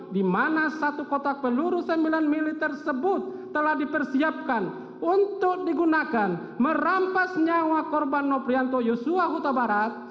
dimana satu kotak peluru sembilan mm tersebut telah dipersiapkan untuk digunakan merampas nyawa korban nopianto yosua huta barat